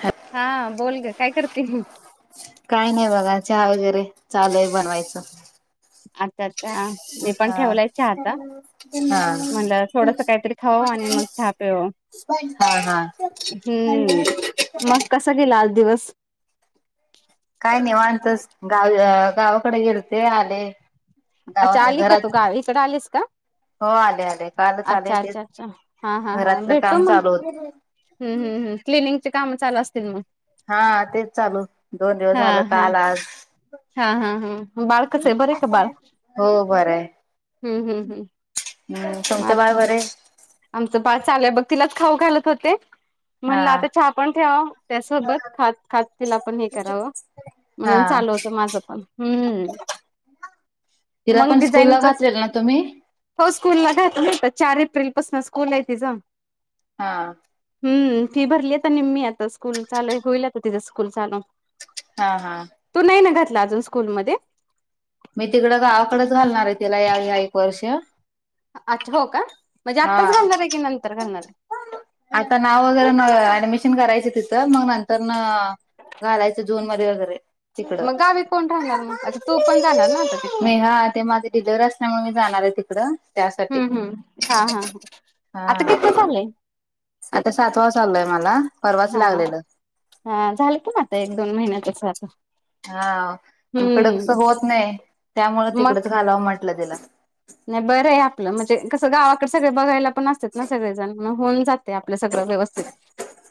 हा हा बोल ग काय करते? काय नाही बघा चहा वगैरे चालू आहे बनवायचं. आत्ता चहा- मी पण हा ठेवलाय चहा आता. हा म्हणलं थोडस काहीतरी खाव आणि मग चहा प्याव. हा हा. मग कसा गेला आज दिवस? काय निवांतच. गाव अ गावाकडे गेलते, आले. अच्छा गावात आली का तू घरात गाव इकडे आलीस का? हो आले आले कालच आले अच्छा तेच अच्छा अच्छा, हा हा हा, घरातलं भेटू काम मग. चालू होत हम् हम् हम् क्लिनिंगची काम चालु असतील मग. हा तेच चालू, दोन दिवस हा झालं हा काल आज. हा हा हा बाळ कस आहे बरे आहे का बाळ? हो बरं आहे हम्म हम्म हम्म. हम्म, तुमचं बाळ बर हे? आमच बाळ चाललंय, बघ तिलाच खाऊ घालत होते. म्हणलं हा आता चहा पण ठेवाव त्यासोबत खात- खात तिला पण हे कराव. म्हणून हा चालू होतं माझं पण हम्म. तिला मग पण स्कूलला डिझाईनच घातलय ना तुम्ही? हो स्कूलला घातलं इथ चार एप्रिल पासून स्कूल आहे तिज. हा. हम्म फी भरली आता निम्मी आता स्कूल चालूय होईल आता तिच स्कूल चालू हा हा. तू नाही ना घातल अजून स्कूलमध्ये? मी तिकडं गावाकडच घालणार आहे तिला ह्या ह्या एक वर्ष. अच्छा हो का म्हणजे आत्ताच हा घालणार आहे की नंतर घालणार. आता नाव वैगरे मग ऍडमिशन करायच तिथं मग नंतरन घालायच. जुन मध्ये वैगेरे तिकड मग गावी कोण राहणार मग अच्छा तू पण जाणार ना आता तिकडं नाही हा ते माझ तिकड डीलेवरी असल्यामुळे मी जाणार आहे तिकड हम्म हम्म, हा हा हा. हा आता सातवा चालू आहे मला परवाच हा लागलेलं. हा झालं की मग आता एक दोन महिन्यातच आता हा इकडं कसं हम्म होत नाही त्यामुळे मग तिकडच घालावं म्हटलं तिला. नाही बरं आहे आपलं म्हणजे कसं गावाकडे सगळे बघायला पण असतात ना सगळेजण. मग होऊन जातय आपल सगळं व्यवस्थित.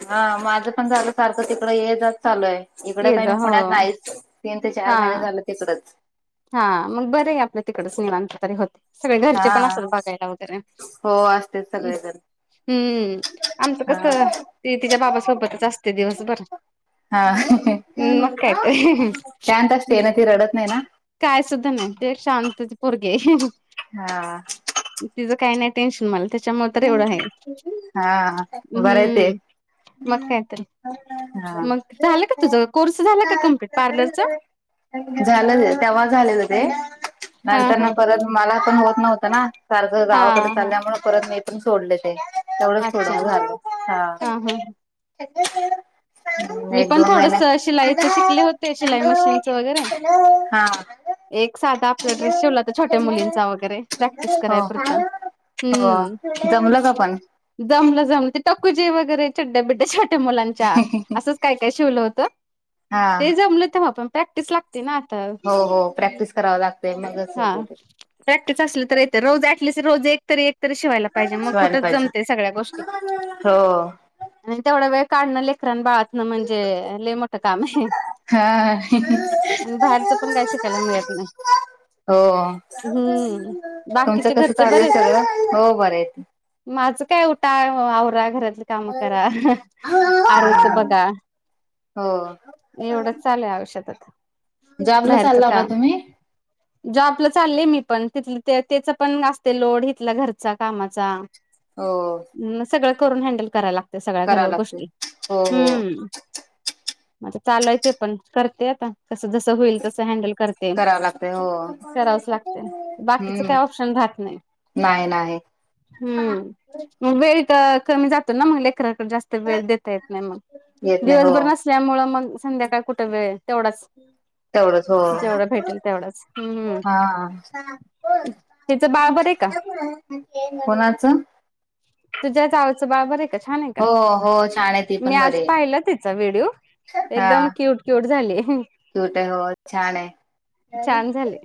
हा माझं पण झालं सारखं तिकड ये जा चालू हाय इकडं ये काही मी जा हो पुण्यात नाहीच. तीन ते चार हा महिने झाले तिकडच हा मग बरं हाय आपलं तिकडंच निवांत तरी होत सगळे घरचे पण हा असतात बघायला वगैरे हो असतेच सगळेजण हम्म. आमचं हा कस ती तिच्या बाबा सोबतच असते दिवसभर-‍- हा हम्म मग काय तर. शांत असते ना ती रडत नाही ना? काय सुद्धा नाही ते एक शांतच पोरगी आहं. हा. तिचं काही नाही टेन्शन मला त्याच्यामुळे तर एवढं आहे हा बरं आहे ते हम्म. मग कायतर हा मग झालं का तुझ कोर्स झाला का कमप्लीट पार्लरच? झालं तेव्हा झालेलं ते हा नंतर हा ना हा परत मला पण होत ना सारखं गावाकडे हा हा चालल्यामुळे मी सोडले ते तेवढंच अच्छा थोडं झाल हा. अजून मी एक पण दोन थोडस महिन्यात शिलाईच शिकले होते शिलाई मशीनच वगैरे हा एक साधा आपला ड्रेस शिवला तर छोट्या मुलींचा वगैरे प्रॅक्टिस कराय हो पुरता हो जमलं का पण जमलं जमलं ते टकूचे वगैरे चड्ड्या बिड्ड्या छोट्या मुलांच्या असंच काय काय शिवलं होतं हा ते जमलं तेव्हा पण प्रॅक्टिस लागते ना आता हो हो प्रॅक्टिस कराव लागतंय मगच येतंय हा. ते प्रॅक्टिस असली तर येतंय रोज ऍटलिस्ट रोज एक तरी एक तरी शिवाय लाग पाहिजे मग व्हायला कुठच पाहिजे जमतंय सगळ्या गोष्टी हो. आणि तेवढा वेळ काढणं लेकरान बाळ म्हणजे लई मोठं काम आहे. हा. आणि बाहेरच पण काय शिकायला मिळत नाही. हो हम्म तुमचं बाकीचे कसं घरचे चालू बरे आहे आहेत. सगळं हो बरे आहेेत. माझं काय उठा आवरा घरातलं काम करा आरूच बघ का,, हो. एवढं चालूय आयुष्यात आता जॉबला बाहेरचं चाललाव ना काम तुम्ही? जॉबला चाललेय मी पण,, तिथ त्याचं पण असतंय लोड हिथला घरचा कामाचा हो. म्हणून सगळं करून हँडल करायला लागत सगळ्या करावं घर लागते. गोष्टी,, हो हो हम्म म चालूय ते पण,, करते आता, कसं जसं होईल तसं हॅडल कर ते,, करावं लागतय हो. करावंच लागतंय,, बाकीचं हम्म काय ऑप्शन राहत नाही. नाही नाही. हम्म, मग वेळ कमी जातो ना मग लेकरराकडे जास्त वेळ देता येत नाही मग,,, येत नाही हो दिवसभर नसल्यामुळं मग संध्याकाळ कुठं वेळ, तेवढाच तेवढंच हो. जेवढं भेटेल तेवढंच,, हम्म हम्म. हा. तिचं बाळ बरं आहे का? कुणाचं? तुझ्या जावचं बाळ बरं आहे का? छान आहे का,, हो हो छान आहे ती मी पण आज बरी आहे. पाहिलं तिचा व्हिडिओ,,, हा एकदम क्यूट क्युट झालीय. क्यूट आहे हो छान आहे,, छान झाली.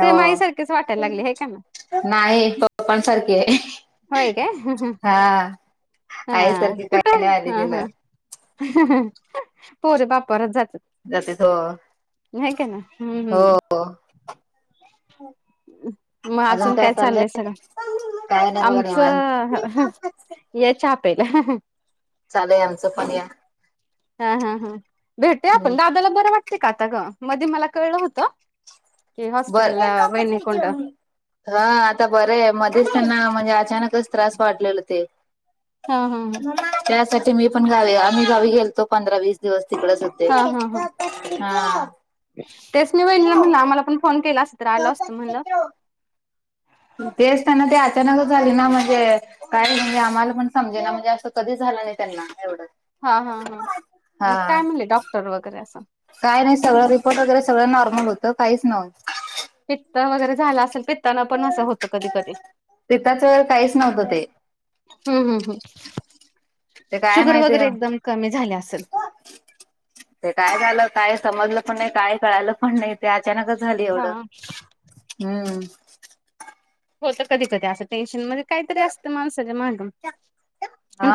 हो. आई सारखीच वाटायला लागली हे का ना नाही,, पप्पांनसारखी आहे. होय काय हा,, हा आईसारखी काही नाही आली तिनं. हहहहं, पोरी बापावरंच जातात जाते हो हेय कणी हम्म हो हम्म. मग अजून काय चाललंय सग काय नाही बघा निवांत आमचं,, या चहा प्यायला, चालू आहे आमचं पण या. हा हा हा, भेटुया आपण, दादाला बरं वाटतय का आता गं, मधी मला कळलं होतं, ते बर हॉस्पिटलला वैनिकडनं. हा आता बरं आहे, मध्येच त्यांना म्हणजे अचानकच त्रास वाढलेलं ते. हा हा त्यासाठी मी पण गावी, आम्ही गावी गेलतो पंधरा वीसऽ दिवस तिकडेच होते,, हा हा हा हा. तेच मी वैनीला म्हणलं, आम्हाला पण फोन केला असता तर आलो असतं म्हणलं. तेच त्यांना ते अचानकच झाली ना म्हणजेऽ काय म्हणजे आम्हाला पण समजेना म्हणजे असं कधीच झालं नाही त्यांना,, एवढं. हा हा हा, मग हा काय म्हणले डॉक्टर वगैरे असंऽ काय नाही, सगळं रिपोर्ट वगैरे नॉर्मल होतं, काहीच नवतं. पित्त वगैरे झाला असेल, पित तानं पण असं होतं कधी कधी. तिथंच वेळ काहीच नव्हतं ते हम्म हम ह्ं, ते काय शुगर माहिती वगैरे एकदम कमी झाली असल. ते काय झालं काय समजलं पण नाही, काय कळालं पण नाही ते अचानकच झालं हा एवढं. हम्म. होत कधी कधी, असं टेन्शन मध्ये काहीतरी असतं माणसाच्या मांड--ऽ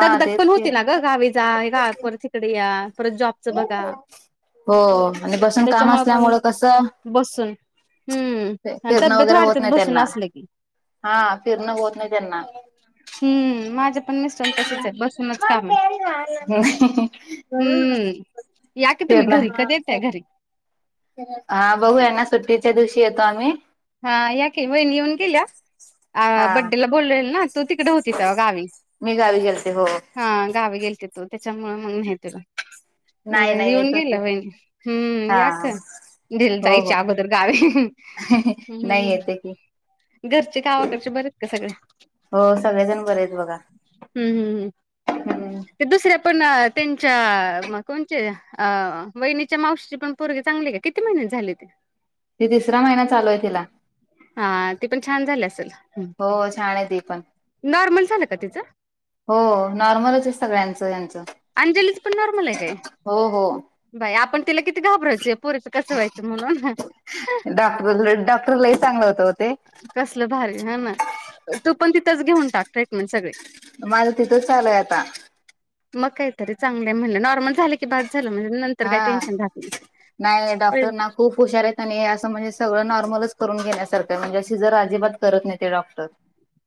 दग दग पण तेच की होती ना गं, गावी जा परत हिकडं या, परत जॉबऽ हो, आणि बसून काम त्याच्यामुळे पण असल्यामुळं कसंऽ बसून हम्म आणि फिरणं तब्येत वगैरे होत वाढतात नाही बसून त्यांना,, असलं की हा फिरणं होत नाही त्यांना. हम्म,, माझ्या पण मिस्टर तसंच आहे,, बसूनच काम हाय,, हम्म या की तुम्ही फिरणं घरी कधी येताय घरी? हा बघुया ना सुट्टीच्या दिवशी येतो आम्ही. हा या की वयणी येऊन गेल्या, हा बड्डेला बोलवलेलं ना. तू तिकड होती तवा गावी. मी गावी गेलते हो हा गावी गेलती तु त्याच्यामुळ मग नाही दिलं. मग नाही नाही येऊन येतो की गेल्या वहिणी, हम्म हा या काय. दिल हो हो जायच्या अगोदर गावी. नाही हमं येते की घरचे गावाकडचे बरेत का सगळे? हो सगळेजण बरेत बघा. हम्म हम् हमं, हम्म ते दुसऱ्या पण त्यांच्या मग कोणचे अ वहिनीच्या मावशीची पण पोरगी चांगलय का, किती महिन्याची झाले ते? ती तिसरा महिना चालू आहे तिला. हा ती पण छान झाली असल, हो छान आहे ती पण नॉर्मल झालं का तिचं? हो हो हो नॉर्मलचय सगळ्यांचं ह्यांचं, अंजलीच हो हो बया आपण तिला किती घाबरावचो, या पुरीचं कसं व्हायचं म्हणून. डॉक्टर लय डॉक्टर लय चांगलं होतं ओ ते. कसलं भारी हाय ना, तू पण तिथच घेऊन टाक ट्रीटमेंट सगळी. माझं तिथेच चालूय आता. मग काय तर चांगलंय म्हणलं, नॉर्मल झालं की बास झालं मग नं हा, नाही पण डॉक्टरना खूप हुशार येत. आणि असं म्हणजे सगळं नॉर्मलच करून गेल्यासारखंय म्हणजे सिजर अजिबात करत नाही ते डॉक्टर.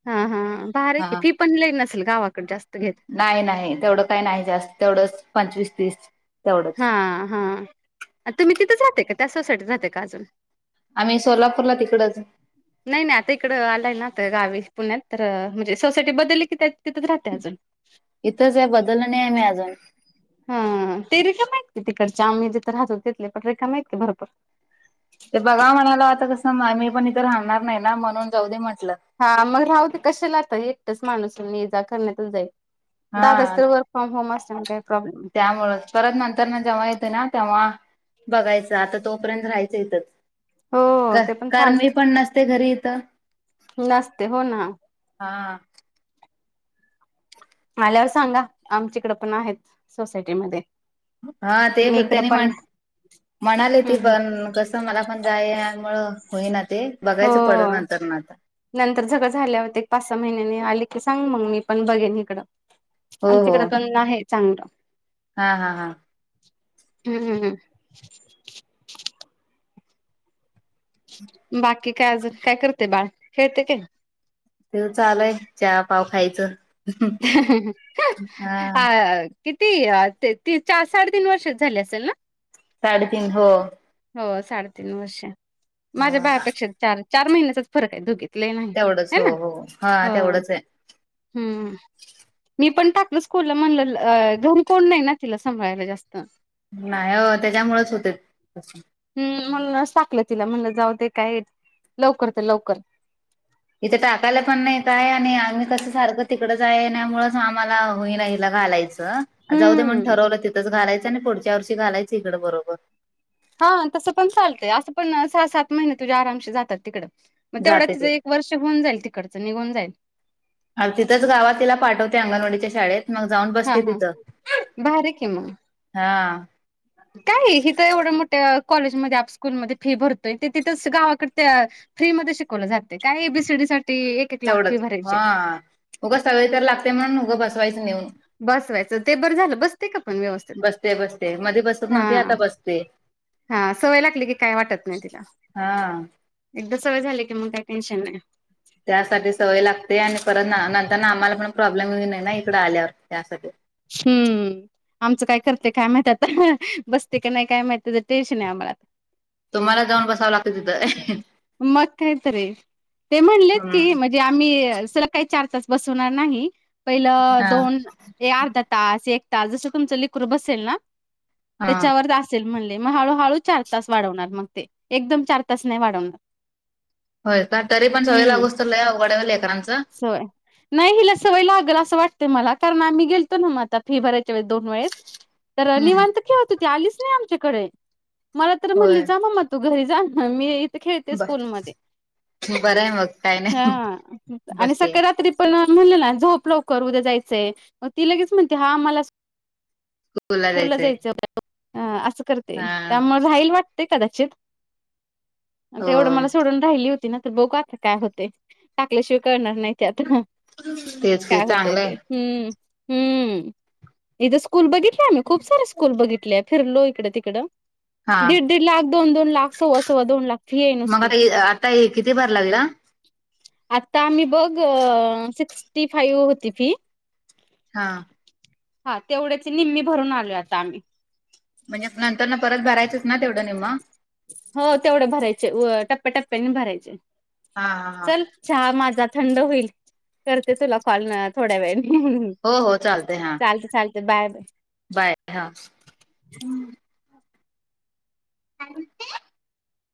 हा हा, भारी ये की हा फी पण लई नसल गावाकड जास्त घेत. नाही नाही तेवढं काही नाही जास्त तेवढंच पंचवीस तीस. तेवढंच हा हा, आणि तुम्ही तिथंच राहताय का, त्याच सोसायटीत राहताय का अजून? आम्ही सोलापूरला तिकडच. नाही नाही आता इकडं आलाय ना, तर गावी पुण्यात तर म्हणजे सोसायटी बदली की त्या तिथंच राहताय अजून? [inaudible] इथंच हाय बदललो नाही आम्ही अजून. हा हा ते रिकाम्या आहेत की तिकडच्या आम्ही जिथं राहतो तिथले पण रिकामे आहेत की भरपूर. ते बघा म्हणाला आता कसं मी पण इथ राहणार नाही ना म्हणून जाऊ देे म्हटलं. हा मग राहूदे कशाला आता एकटच माणूसन येजा करण्यातच जाईल. दादाच हा तर वर्क फ्राॅम होम असल्यान काही प्रॉब्लेम नाही. त्यामुळच परत नंतरन जेव्हा येतं ना तेव्हा, बघायचं आता तोपर्यंत राहायचं इथंच. हो कार ते पण कारण मी चालते पण नसते घरी इथं. नसते हो ना. हा आल्यावर सांगा आमच्याकड पण आहेत सोसायटीमधे. हा ते त्यानी मांड. म्हणाली ती हम्म हम्म पण कसं मला पण जाय यायमुळं होई ना ते बघायचं परत हो नंतरन आता. नंतर सगळं झाल्यावर एक पाच सहा महिन्यानी आली की सांग मग मी पण बघेन इकडं. हो हो आमच्याकड पण आहे चांगलं. हा हा हा हम्म हम्म बाकी काय अजून काय करतय बाळ खेळते काय? त्याचं चालुय चहा पाव खायच. ह ह ह आ हा किती ती चार साडेतीन वर्षाची झाले असेल ना साडेतीन हो हो साडेतीन वर्ष माझ्या बाळापेक्षा चार चार महिन्याचाच फरक आहे दोघीत नाही तेवढंच ह हो ना हो हा हो तेवढंच आहे हम्म मी पण टाकल स्कूलला म्हणल घरी कोण नाही ना तिला सांभाळायला जास्त नाही अ त्याच्यामुळेच होते हम्म म्हणूनच टाकलं तिला म्हणलं जाऊ दे काय लवकर तर लवकर इथे टाकायला पण नाही काय आणि आम्ही कसं सारखं तिकड जायाय ईना त्यामुळंच आम्हाला होई ना हीला घालायचं. जाऊ दे म्हणून हम्म ठरवलं तिथंच घालायचं आणि पुढच्या वर्षी घालायचं इकडं बरोबर हा तसं पण चालतंय असं पण सहा सात महिने तुझ्या आरामशी जातात तिकडं मग तेवढं जाते तिज ते. एक वर्ष होऊन जाईल तिकडचं निघून जाईल. तिथंच गावात तिला पाठवते अंगणवाडीच्या शाळेत मग जाऊन हा बसते हा तिथं भारी की मग हा काय हिथं एवढ्या मोठ्या कॉलेजमध्ये आप स्कूलमध्ये फी भरतोय ते तिथंच गावाकड त्या फ्रीमध्ये शिकवलं जातय काय एबीसीडी साठी एक लाख फी तेवढंच हा भरायची उगच सवय तर लागते म्हणून उगं बसवायचं नेऊन बसवायच ते बर झाल बस- -ते का पण व्यवस्थित बसते बसते मध्ये बसत नव्हती हा आता बसते. हा सवय लागली की काय वाटत नाही तिला हा एकदा सवय झाली की मग काही टेन्शन नाही. त्यासाठी सवय लागते आणि परत नंतर आम्हाला पण प्रॉब्लेम नाही ना इकड आल्यावर त्यासाठी हम्म आमचं काय करते काय माहित आता बसते की नाही काय माहित त्यांचच टेन्शन आहे आम्हाला आता तुम्हाला जाऊन बसावं लागतं तिथं. मग कायतरी ते म्हणलेत की हम्म. की आम्ही सलग काही चार तास बसवणार नाही. पहिलं हा. दोन हे अर्धा तास, एक तास जसं तुमच लेकरू बसेल ना हा. त्याच्यावर असेल म्हणले मग हळू हळू चार तास वाढवणार मग ते एकदम चार तास नाही वाढवणार. होय का तरीपण सवय लागूस्तवर लय अवघड हाय ओ लेकरांच होय, नाही हिला सवय लागेल असं वाटतय मला कारण आम्ही गेलतो ना मग आता फी भरायच्या वेळी दोन वेळेस तर हम्म. निवांत खेळत होती ती आलीच नाही आमच्याकडे मला तर म्हणली होय. जा मम्मा तू घरी जा मी खेळते ब स्कूल मधे. बरं आहे मग काय नाही. हा आणि बसते. सकाळी रात्री पण म्हणलं ना झोप लवकर उद्या जायचंय मग ती लगेच म्हणते हा मला स्कूलला स्कूल ला जायचंय. जायचं. हा असं करते हा. त्यामुळे राहील वाट- -ते कदाचित, हो. नाहीतर एवढं मला सोडून राहिली होती ना तर बघू आता काय होते टाकल्याशिवाय कळणार नाही ते आता तेच की काय होतय चांगलंय. ते हम्म हम्म, इथे स्कूल बघितले आम्ही खूप सारे स्कूल बघितले. फिरलो इकड तिकड हा. दीड दीड लाख, दोन दोन लाख, सव्वा सव्वा दोन लाख फी आहे मग नुसती. आता आता किती भरला हिला आ? ते आणि बघ सिक्स्टी फाईव्ह होती फी हा हा तेवढ्याची निम्मी भरून आलोय आता आम्ही म्हणजे नंतरन परत भरायचंच ना तेवढं निम्म. हो तेवढं भरायचे, व टप्प्याटप्प्याने भरायचे. हा हा हा. चल चहा माझा थंड होईल. करते तुला कॉल थोड्या वेळानी. हो हो चालतंय हा. चालतं, चालतं. Bye, bye. बाय, हा, हूं काय म्हणते?